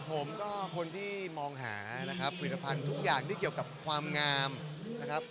ผมก็คนที่มองหานะครับผลิตภัณฑ์ทุกอย่างที่เกี่ยวกับความงามนะครับ